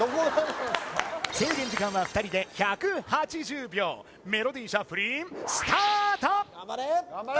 制限時間は２人で１８０秒メロディシャッフリン頑張れ！